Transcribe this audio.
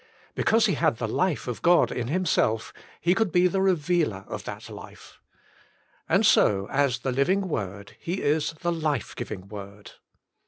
Because He had the Life of God in Himself, He could be the revealer of that Life. And so as the Living Word He is the Life giving Word.